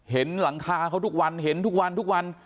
เห็นหลังคาเขาทุกวันเห็นทุกวันทุกวัน